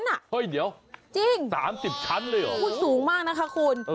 เฮ่ยเดี๋ยว๓๐ชั้นเลยเหรอคุณสูงมากนะคะคุณ